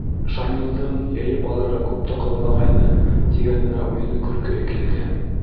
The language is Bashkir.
Шамилдың, йыйып алырға күп тә ҡалмағайны, тигәненә үҙенең көлкөһө килде.